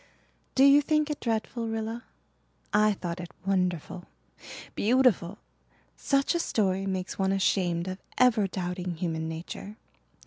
"Do you think it dreadful, Rilla? I thought it wonderful beautiful. Such a story makes one ashamed of ever doubting human nature.